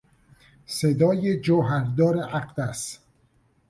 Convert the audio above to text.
صدای جوهردار اقدس